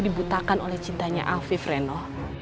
dibutakan oleh cintanya afif reno